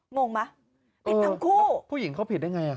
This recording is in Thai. งงมั้ยผิดทั้งคู่